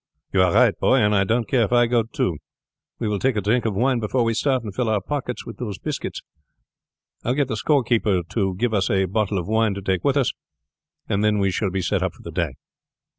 "You are right boy, and I don't care if I go too. We will take a drink of wine before we start and fill up our pockets with those biscuits. I will get the storekeeper to give us a bottle of wine to take with us, and then we shall be set up for the day.